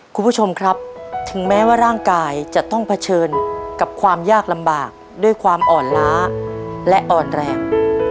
คุณผู้ชมครับถึงแม้ว่าร่างกายจะต้องเผชิญกับความยากลำบากด้วยความอ่อนล้าและอ่อนแรง